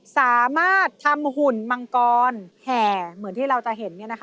สามารถทำหุ่นมังกรแห่เหมือนที่เราจะเห็น